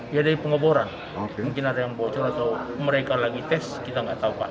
ya dari pengeboran mungkin ada yang bocor atau mereka lagi tes kita nggak tahu pak